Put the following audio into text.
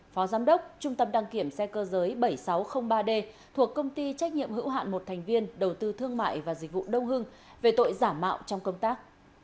phó giám đốc trung tâm đăng kiểm xe cơ giới bảy nghìn sáu trăm linh ba d thuộc công ty trách nhiệm hữu hạn một thành viên đầu tư thương mại và dịch vụ đông hưng về tội giả mạo trong công tác